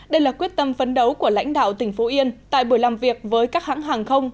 đây là quyết tâm phấn đấu của lãnh đạo tỉnh phú yên tại buổi làm việc với các hãng hàng không